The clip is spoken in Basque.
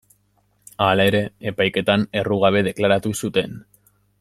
Hala ere, epaiketan errugabe deklaratu zuten.